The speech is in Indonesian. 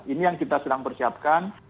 ini yang kita sedang persiapkan